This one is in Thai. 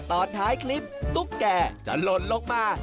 ขณะตอนท้ายคลิปตุ๊กแก่จะลดลงมา